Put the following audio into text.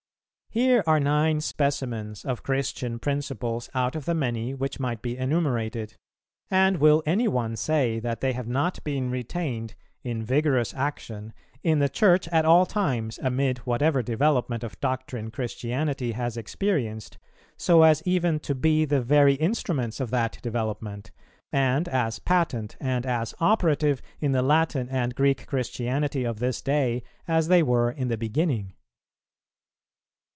Here are nine specimens of Christian principles out of the many[326:1] which might be enumerated, and will any one say that they have not been retained in vigorous action in the Church at all times amid whatever development of doctrine Christianity has experienced, so as even to be the very instruments of that development, and as patent, and as operative, in the Latin and Greek Christianity of this day as they were in the beginning?